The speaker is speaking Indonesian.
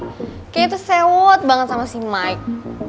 kayaknya itu sewot banget sama si mike